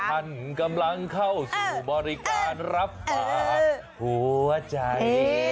ท่านกำลังเข้าสู่บริการรับฝากหัวใจ